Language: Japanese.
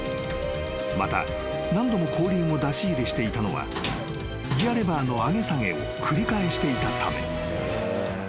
［また何度も後輪を出し入れしていたのはギアレバーの上げ下げを繰り返していたため］